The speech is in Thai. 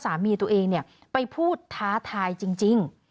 สามีตัวเองไปพูดท้าทายจริง